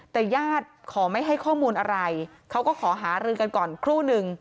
แต่ญาติขอไม่ให้ข้อมูลอะไรเขาก็ขอหารือกันก่อนครู่นึง